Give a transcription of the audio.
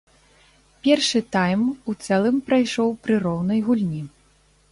Першы тайм у цэлым прайшоў пры роўнай гульні.